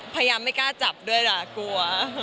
พยายามไม่กล้าจับด้วยด้วยหนักกลัว